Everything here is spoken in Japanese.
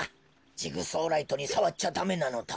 ジグソーライトにさわっちゃダメなのだ。